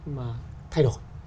mà thay đổi